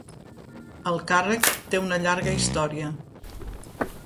El càrrec té una llarga història.